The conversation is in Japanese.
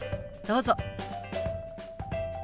どうぞ。